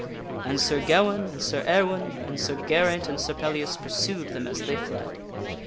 And Sir Gawaine and Sir Ewaine and Sir Geraint and Sir Pellias pursued them as they fled.